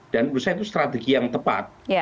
dan menurut saya itu strategi yang tepat